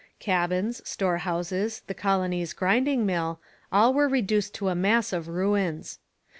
Cabins, storehouses, the colony's grinding mill all were reduced to a mass of ruins.